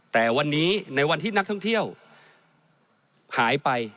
แต่วันนี้ในวันที่นักท่องเที่ยวหายไป